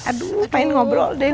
aduh pengen ngobrol deh